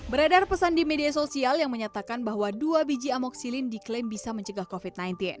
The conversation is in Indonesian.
beredar pesan di media sosial yang menyatakan bahwa dua biji amoksilin diklaim bisa mencegah covid sembilan belas